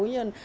mối y ốt